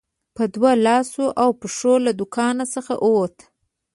په دوو لاسو او پښو له دوکان څخه ووت.